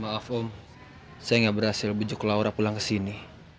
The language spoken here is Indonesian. maaf om saya gak berhasil bujuk laura pulang kesini